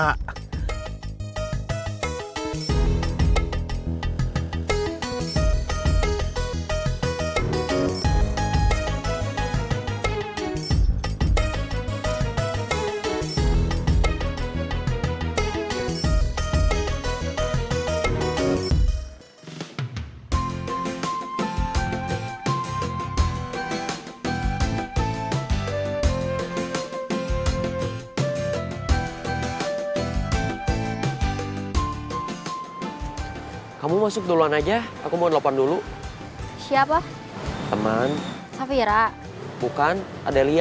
hai kamu masuk duluan aja aku mau delopan dulu siapa teman safira bukan adelia